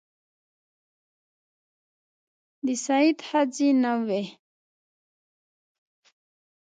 د سعد ښځې نه وې.